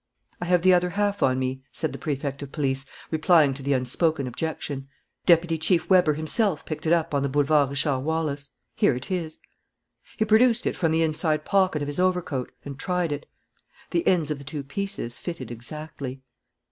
"I have the other half on me," said the Prefect of Police, replying to the unspoken objection. "Deputy Chief Weber himself picked it up on the Boulevard Richard Wallace. Here it is." He produced it from the inside pocket of his overcoat and tried it. The ends of the two pieces fitted exactly.